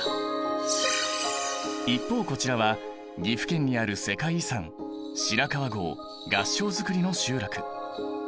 一方こちらは岐阜県にある世界遺産白川郷合掌造りの集落。